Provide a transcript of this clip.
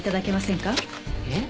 えっ？